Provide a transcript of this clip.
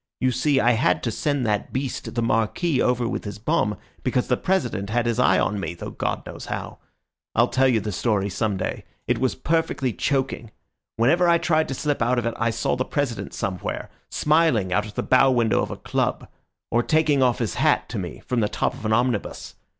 You see, I had to send that beast, the Marquis, over with his bomb, because the President had his eye on me, though God knows how. I'll tell you the story some day. It was perfectly choking. Whenever I tried to slip out of it I saw the President somewhere, smiling out of the bow window of a club, or taking off his hat to me from the top of an omnibus.